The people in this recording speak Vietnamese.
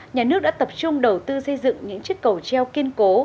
nhà nước đã tập trung đầu tư xây dựng những chiếc cầu treo kiên cố